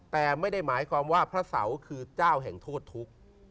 แต่ไม่ได้หมายความว่าพระเสาคือเจ้าแห่งโทษทุกข์